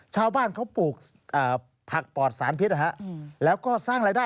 ชาวบ้านเขาปลูกผักปอดสารพิษแล้วก็สร้างรายได้